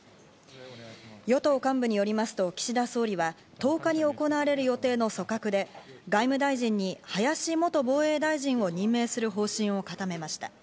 与党幹部によりますと、岸田総理は１０日に行われる予定の組閣で外務大臣に林元防衛大臣を任命する方針を固めました。